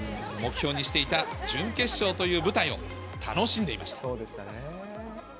目標にしていた準決勝という舞台を楽しんでいました。